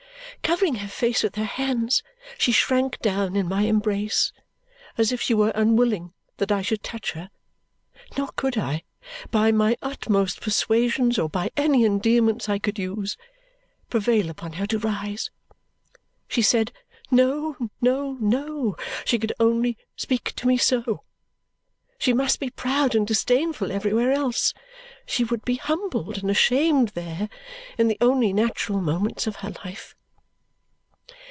Covering her face with her hands, she shrank down in my embrace as if she were unwilling that I should touch her; nor could I, by my utmost persuasions or by any endearments I could use, prevail upon her to rise. She said, no, no, no, she could only speak to me so; she must be proud and disdainful everywhere else; she would be humbled and ashamed there, in the only natural moments of her life.